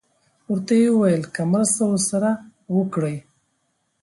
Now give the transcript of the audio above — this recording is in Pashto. ورته یې وویل که مرسته ورسره وکړي.